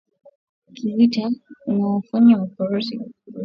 kivita unaofanywa na vikosi vya Urusi nchini Ukraine